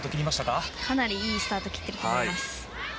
かなりいいスタートを切っていると思います。